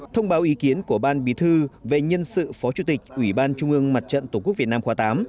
thông báo ý kiến của ban bí thư về nhân sự phó chủ tịch ủy ban trung ương mặt trận tổ quốc việt nam khóa tám